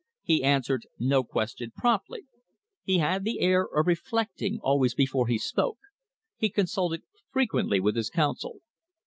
He answered no question promptly. He had the air of reflecting always before he spoke. He consulted frequently with his counsel.